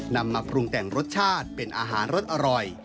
นำมาปรุงแต่งรสชาติเป็นอาหารรสอร่อย